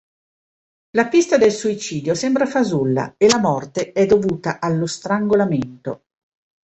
La pista del suicidio sembra fasulla e la morte è dovuta allo strangolamento.